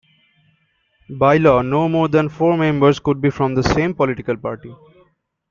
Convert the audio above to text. By law, no more than four members could be from the same political party.